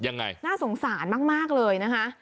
น่าสงสารมากเลยนะคะ